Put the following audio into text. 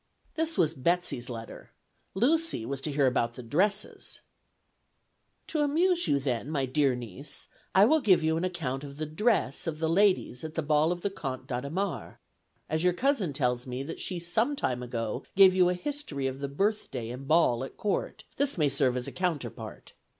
..." This was Betsey's letter: Lucy was to hear about the dresses: "To amuse you then, my dear niece, I will give you an account of the dress of the ladies at the ball of the Comte d'Adhémar; as your cousin tells me that she some time ago gave you a history of the birthday and ball at Court, this may serve as a counterpart.